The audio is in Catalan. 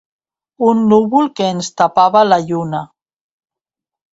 Un núvol que ens tapava la lluna.